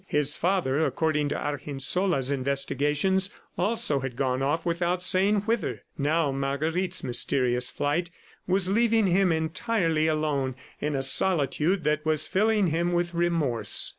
His father, according to Argensola's investigations, also had gone off without saying whither. Now Marguerite's mysterious flight was leaving him entirely alone, in a solitude that was filling him with remorse.